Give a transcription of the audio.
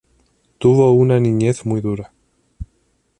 Tuvo una niñez muy dura.